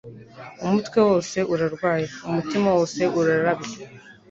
"Umutwe wose urarwaye, umutima wose urarabye.